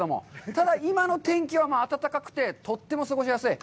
ただ、今の天気が暖かくて、とても過ごしやすい。